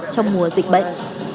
trong mùa dịch bệnh